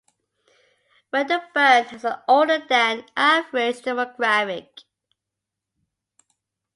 Wedderburn has an older than average demographic.